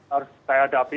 yang harus saya hadapi